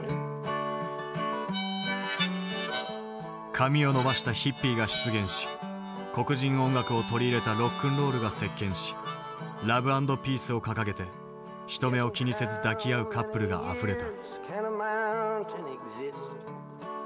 髪を伸ばしたヒッピーが出現し黒人音楽を取り入れたロックンロールが席巻しラブアンドピースを掲げて人目を気にせず抱き合うカップルがあふれた。